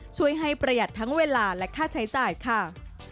ช่วยให้ประหยัดทั้งเวลาและค่าใช้จ่ายค่ะ